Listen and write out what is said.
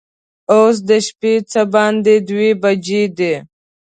اوس د شپې څه باندې دوه بجې دي.